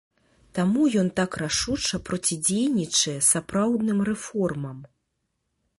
Таму ён так рашуча процідзейнічае сапраўдным рэформам.